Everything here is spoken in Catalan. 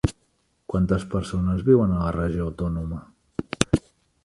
Quantes persones viuen a la Regió Autònoma?